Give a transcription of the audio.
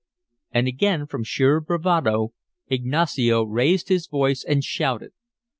And again from sheer bravado Ignacio raised his voice and shouted.